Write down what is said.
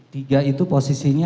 tiga itu posisinya